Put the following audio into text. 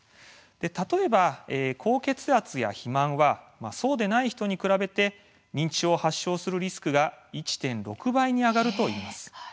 例えば、高血圧や肥満はそうでない人に比べて認知症を発症するリスクが１．６倍に上がるといいます。